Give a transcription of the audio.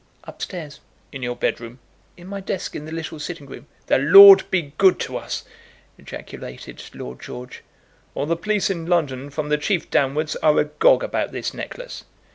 "Up stairs." "In your bed room?" "In my desk in the little sitting room." "The Lord be good to us!" ejaculated Lord George. "All the police in London, from the chief downwards, are agog about this necklace.